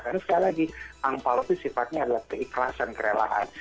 karena sekali lagi angpao itu sifatnya adalah keikhlasan kerelahan